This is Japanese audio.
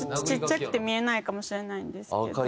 ちっちゃくて見えないかもしれないんですけど。